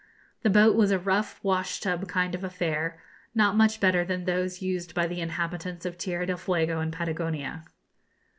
The boat was a rough wash tub kind of affair, not much better than those used by the inhabitants of Tierra del Fuego and Patagonia.